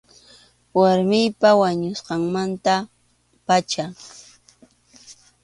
Warmiypa wañusqanmanta pacham.